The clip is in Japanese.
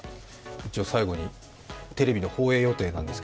最後に、テレビの放映予定です。